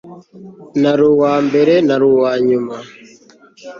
nari uwambere? nari uwanyuma